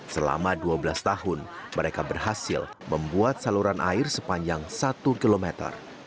selama dua belas tahun mereka berhasil membuat saluran air sepanjang satu kilometer